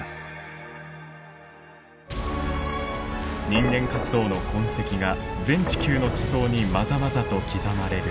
人間活動の痕跡が全地球の地層にまざまざと刻まれるこの時代。